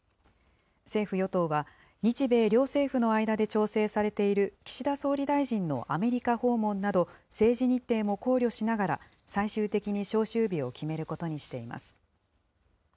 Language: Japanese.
政府・与党は、日米両政府の間で調整されている岸田総理大臣のアメリカ訪問など、政治日程も考慮しながら、最終的に召集日を決めることにしています。